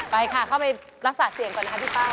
ไปค่ะเข้าไปรักษาเสียงก่อนนะคะพี่ป้า